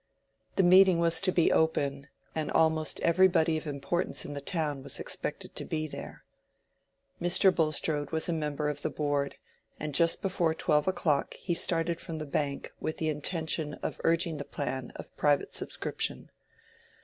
The meeting was to be open, and almost everybody of importance in the town was expected to be there. Mr. Bulstrode was a member of the Board, and just before twelve o'clock he started from the Bank with the intention of urging the plan of private subscription.